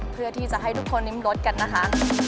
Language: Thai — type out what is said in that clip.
เพื่อที่จะให้ทุกคนริมรสกันนะคะ